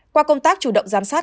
qua công tác chủ động giám sát